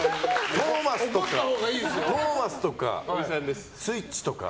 トーマスとか、スイッチとか。